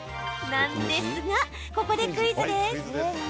なんですが、ここでクイズです。